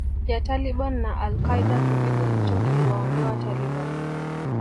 ya Taliban na Al Qaeda Kipigo hicho kiliwaondoa Taliban